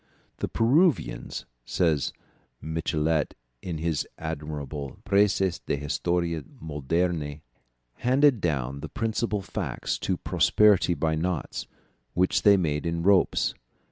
"The Peruvians," says Michelet in his admirable Précis d'Histoire Moderne, "handed down the principal facts to posterity by knots, which they made in ropes.